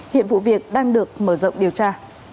hiện vụ việc đang được mở rộng điều tra